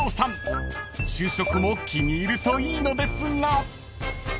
［昼食も気に入るといいのですが］